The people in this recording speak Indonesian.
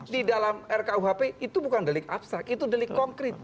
di dalam rkuhp itu bukan delik abstrak itu delik konkret